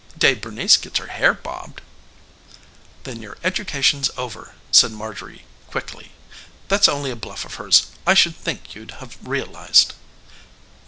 Day Bernice gets her hair bobbed." "Then your education's over," said Marjorie quickly. "That's only a bluff of hers. I should think you'd have realized."